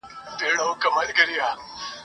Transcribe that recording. هم پخپله څاه کینو هم پکښي لوېږو ..